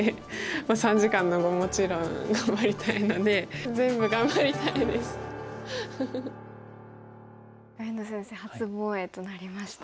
三時間の碁もちろん頑張りたいので上野先生初防衛となりましたね。